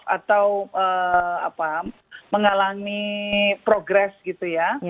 atau mengalami progres gitu ya